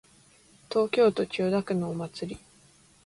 東京都千代田区のお祭り